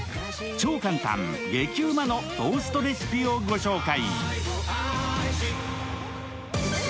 超簡単・激うまのトーストレシピをご紹介！